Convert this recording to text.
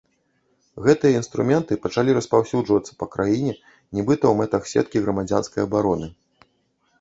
Гэтыя інструменты пачалі распаўсюджвацца па краіне, нібыта ў мэтах сеткі грамадзянскай абароны.